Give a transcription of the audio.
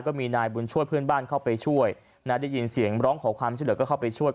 ก็มีนายบุญช่วยเพื่อนบ้านเข้าไปช่วยนะได้ยินเสียงร้องขอความช่วยเหลือก็เข้าไปช่วย